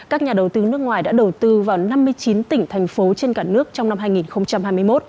các nhà đầu tư nước ngoài đã đầu tư vào năm mươi chín tỉnh thành phố trên cả nước trong năm hai nghìn hai mươi một